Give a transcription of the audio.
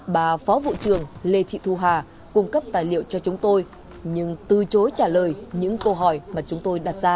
bà phó vụ trưởng lê thị thu hà cung cấp tài liệu cho chúng tôi nhưng từ chối trả lời những câu hỏi mà chúng tôi đặt ra